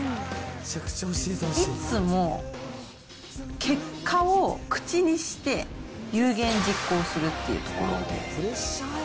いつも、結果を口にして、有言実行するというところです。